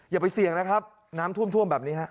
อย่าไปเสี่ยงนะครับน้ำท่วมแบบนี้ฮะ